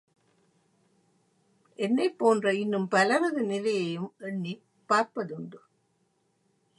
என்னைப் போன்ற இன்னும் பலரது நிலையையும் எண்ணிப் பார்ப்பதுண்டு.